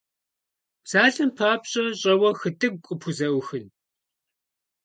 Псалъэм папщӀэ, щӀэуэ хытӀыгу къыпхузэӀухын?